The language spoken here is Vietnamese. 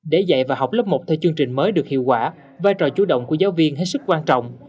để dạy và học lớp một theo chương trình mới được hiệu quả vai trò chủ động của giáo viên hết sức quan trọng